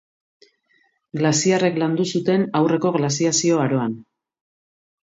Glaziarrek landu zuten, aurreko glaziazio aroan.